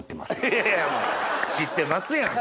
いやいや知ってますやん。